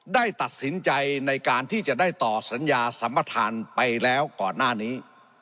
ได้ตัดสินใจในการที่จะได้ต่อสัญญาสัมประธานไปแล้วก่อนหน้านี้